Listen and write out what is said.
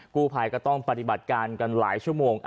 กู้ภัยก็ต้องปฏิบัติการกันหลายชั่วโมง